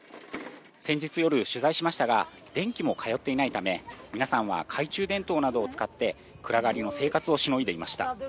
先日夜、取材しましたが、電気も通っていないため、皆さんは懐中電灯などを使って、暗がりの生活をしのいでいました。